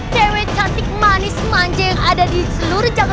dewa cantik manis manja yang ada di seluruh dunia